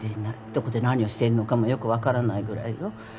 どこで何をしているのかもよくわからないぐらいよ。